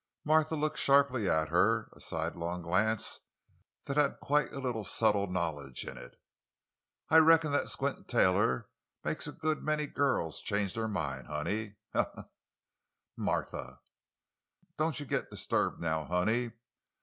Martha looked sharply at her, a sidelong glance that had quite a little subtle knowledge in it. "I reckon that 'Squint' Taylor make a good many girls change their mind, honey—he, he, he!" "Martha!" "Doan you git 'sturbed, now, honey.